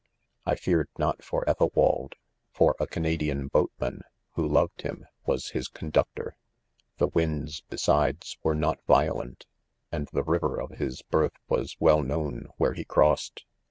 I feared not for Ethelwald ; for a Canadian boatman, who loved ■ him, was his conductor. • The winds, besides, were not violent ; and the river of his birth was well known where he Crossed.